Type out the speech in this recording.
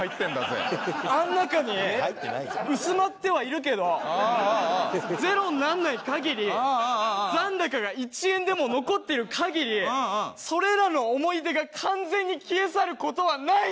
あの中に薄まってはいるけどゼロにならない限り残高が１円でも残ってる限りそれらの思い出が完全に消え去る事はないじゃん。